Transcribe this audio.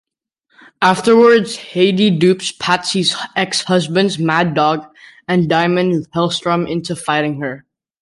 Afterwards, Hedy dupes Patsy's ex-husbands Mad-Dog and Daimon Hellstrom into fighting her.